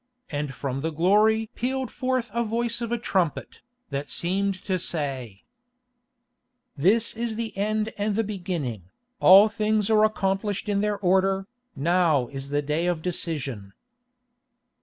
And from the glory pealed forth a voice of a trumpet, that seemed to say: "This is the end and the beginning, all things are accomplished in their order, now is the day of Decision."